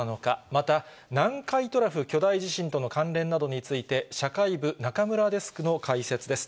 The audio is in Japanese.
また、南海トラフ巨大地震との関連などについて、社会部、中村デスクの解説です。